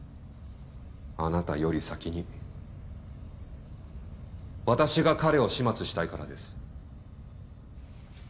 あなたより先に私が彼を始末したいからです。